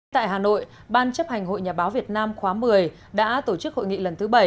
tại hà nội ban chấp hành hội nhà báo việt nam khóa một mươi đã tổ chức hội nghị lần thứ bảy